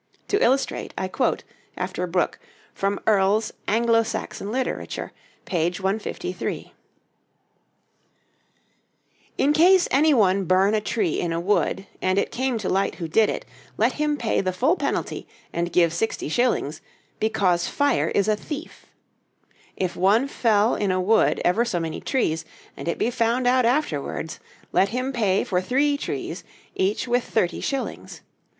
To illustrate, I quote, after Brooke, from Earle's 'Anglo Saxon Literature,' page 153: "In case any one burn a tree in a wood, and it came to light who did it, let him pay the full penalty, and give sixty shillings, because fire is a thief. If one fell in a wood ever so many trees, and it be found out afterwards, let him pay for three trees, each with thirty shillings.